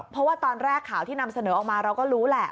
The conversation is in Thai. เพราะว่าตอนแรกข่าวที่นำเสนอออกมาเราก็รู้แหละ